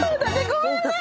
ごめんね！